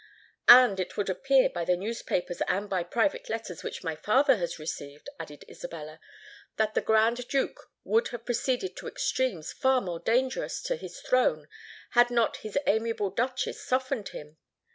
"And it would appear, by the newspapers and by private letters which my father has received," added Isabella, "that the Grand Duke would have proceeded to extremes far more dangerous to his throne had not his amiable Duchess softened him.